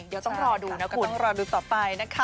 มันก็ต้องรอดูต่อไปนะ